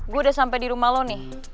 gue udah sampai di rumah lo nih